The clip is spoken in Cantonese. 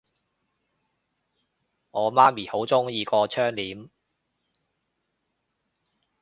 我媽咪好鍾意個窗簾